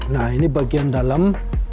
nah ini bagian dalam